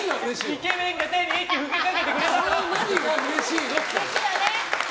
イケメンが手に息吹きかけてくれたの！